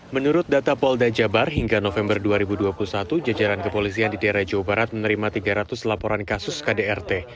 menurut data polda jabar hingga november dua ribu dua puluh satu jajaran kepolisian di daerah jawa barat menerima tiga ratus laporan kasus kdrt